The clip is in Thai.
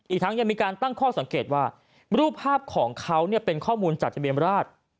อีกทั้งยังมีการตั้งข้อสังเกตว่ารูปภาพของเขาเป็นข้อมูลจากทะเบียนราช